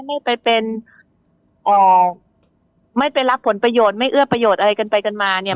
เมื่อไปเป็นไม่ไปรับผลประโยชน์ไม่เอื้อประโยชน์อะไรกันไปกันมาเนี่ย